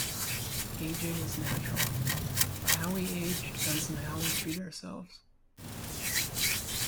Aging is natural, but how we age depends on how we treat ourselves.